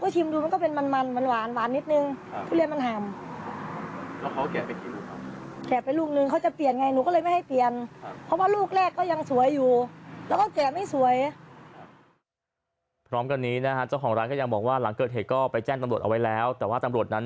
ชิมดูมันก็เป็น